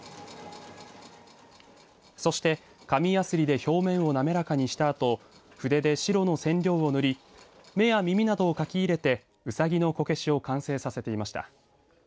そして紙やすりで表面を滑らかにしたあと筆で白の染料を塗り目や耳などを描き入れてうさぎのこけしを完成させていました。